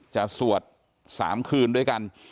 สวด๓คืนด้วยกัน